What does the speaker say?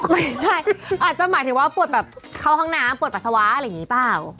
ไม่ใช่อาจจะหมายถึงว่าปวดแบบเข้าห้องน้ำปวดปัสสาวะอะไรอย่างนี้เปล่า